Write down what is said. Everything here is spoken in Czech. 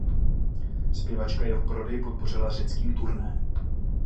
Zpěvačka jeho prodej podpořila řeckým turné.